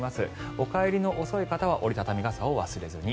お帰りの遅い方は折り畳み傘を忘れずに。